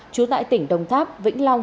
chú tại tỉnh đồng tháp vĩnh long